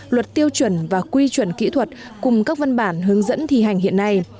luật tiêu chuẩn và quy chuẩn kỹ thuật cùng các văn bản hướng dẫn thi hành hiện nay